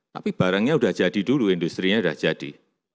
tapi barangnya sudah jadi dulu industri nya sudah jadi